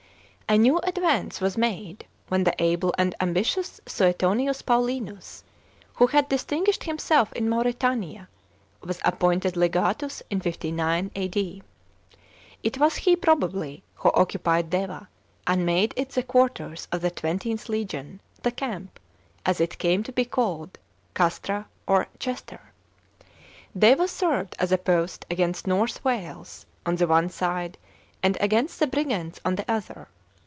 § 10. A new advance was made when the able and ambitious Suetonius Paulinus, who had distinguished himself in Mauretania, was appointed legatns in 59 A.D. It was he probably who occupied Deva, and made it the quarters ot the XXth legion — "the Camp" as it came to be called, Castra or Cluster. Deva seived as a post against North Waies on the one side and against the Brigantes on t' e other.